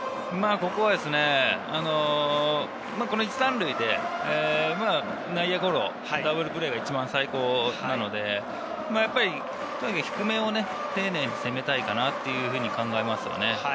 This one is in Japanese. ここは１・３塁で内野ゴロ、ダブルプレーが一番最高なので、とにかく低めを丁寧に攻めたいかなというふうに考えますね。